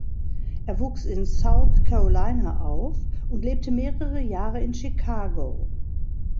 Er wuchs in South Carolina auf und lebte mehrere Jahre in Chicago.